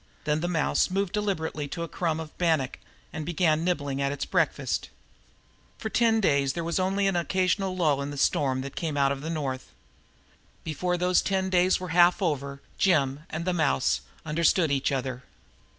Then the mouse moved deliberately to a crumb of bannock and began nibbling at its breakfast. For ten days there was only an occasional lull in the storm that came from out of the North. Before those ten days were half over, Jim and the mouse understood each other.